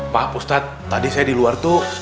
pak ustadz tadi saya di luar itu